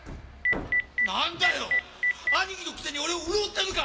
なんだよ兄貴のくせに俺を売ろうってのか！